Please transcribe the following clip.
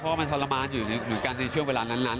เพราะมันทรมานอยู่เหมือนกันในช่วงเวลานั้น